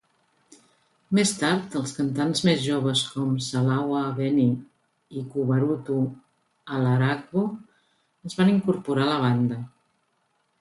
Més tard, els cantants més joves com Salawa Abeni i Kuburatu Alaragbo es van incorporar a la banda.